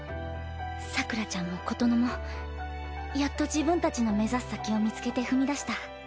さくらちゃんも琴乃もやっと自分たちの目指す先を見つけて踏み出した。